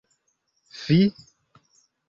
Fi!